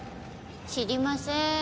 知りません。